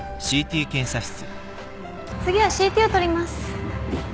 次はＣＴを撮ります。